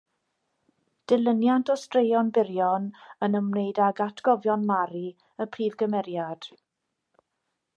Dilyniant o straeon byrion yn ymwneud ag atgofion Mari, y prif gymeriad.